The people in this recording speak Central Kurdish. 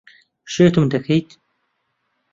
شێتم دەکەیت.